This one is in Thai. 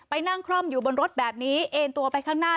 นั่งคล่อมอยู่บนรถแบบนี้เอ็นตัวไปข้างหน้า